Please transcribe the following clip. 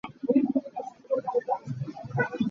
Tlakrawh kha ṭha tein na rual lai.